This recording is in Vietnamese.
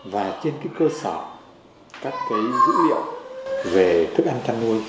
và trên cơ sở các dữ liệu về thức ăn chăn nuôi